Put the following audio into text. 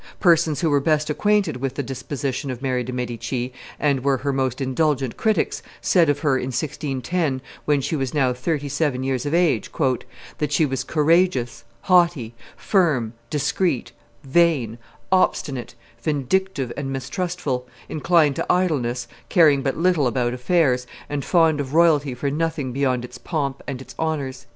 Persons who were best acquainted with the disposition of Mary de' Medici, and were her most indulgent critics, said of her, in 1610, when she was now thirty seven years of age, "that she was courageous, haughty, firm, discreet, vain, obstinate, vindictive and mistrustful, inclined to idleness, caring but little about affairs, and fond of royalty for nothing beyond its pomp and its honors."